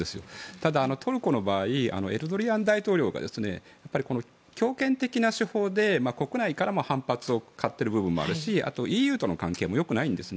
ただ、トルコの場合エルドアン大統領が強権的な手法で国内からも反発を買っている部分もあるしあと、ＥＵとの関係もよくないんですね。